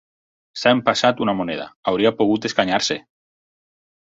S'ha empassat una moneda: hauria pogut escanyar-se.